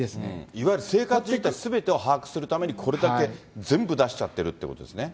いわゆる生活実態すべてを把握するために、これだけ全部出しちゃってるっていうことですね。